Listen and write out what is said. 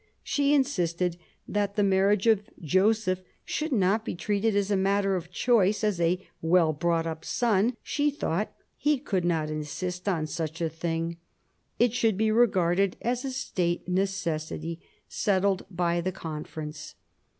She insisted that the marriage of Joseph should not be treated as a matter of choice ; as a well brought up son she thought he could not insist on such a thing; it should be regarded as a state necessity settled by the Conference.